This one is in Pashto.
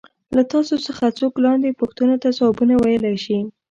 له تاسو څخه څوک لاندې پوښتنو ته ځوابونه ویلای شي.